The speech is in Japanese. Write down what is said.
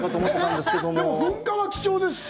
でも、噴火は貴重ですし。